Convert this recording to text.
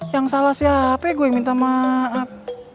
yang salah siapa gue yang minta maaf